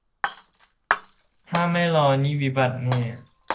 ถ้าไม่รอนี่วิบัติแน่